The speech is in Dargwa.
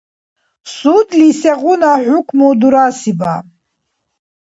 Судли сегъуна хӀукму дурасиба?